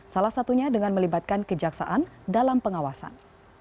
salah satunya dengan melibatkan kejaksaan dalam pengawasan